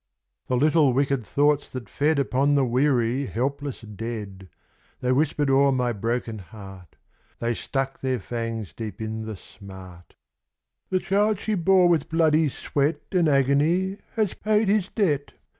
49 The Mother. The little wicked thoughts that fed Upon the weary, helpless Dead ... They whispered o'er my broken heart. They stuck their fangs deep in the smart. ' The child she bore with bloody sweat And agony has paid his debt.